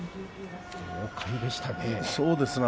豪快でしたね。